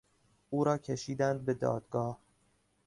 او را کشیدند به دادگاه.